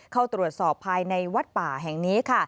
เข้าตรวจสอบภายในวัดป่าแห่งนี้ค่ะ